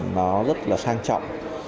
nó rất là sang trọng